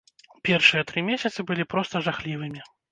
Першыя тры месяцы былі проста жахлівымі.